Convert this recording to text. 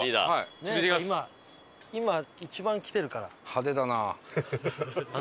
派手だなあ。